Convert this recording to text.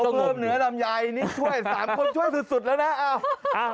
เพิ่มเนื้อลำไยนี่ช่วย๓คนช่วยสุดแล้วนะ